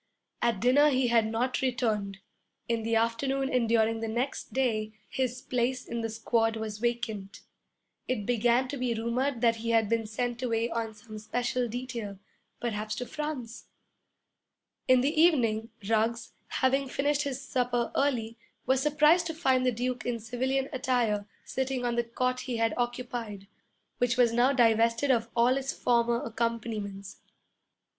At dinner he had not returned. In the afternoon and during the next day his place in the squad was vacant. It began to be rumored that he had been sent away on some special detail, perhaps to France. In the evening Ruggs, having finished his supper early, was surprised to find the Duke in civilian attire sitting on the cot he had occupied, which was now divested of all its former accompaniments.